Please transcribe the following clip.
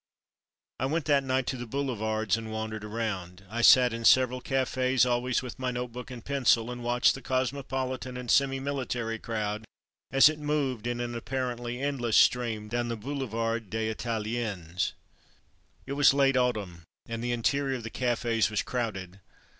I went that night to the boulevards and wandered around. I sat in several cafes, always with my notebook and pencil, and watched the cosmopolitan and semi mili tary crowd as it moved in an apparently endless stream down the Boulevard des Italiennes. ' It was late autumn, and the interior of the cafes was crowded.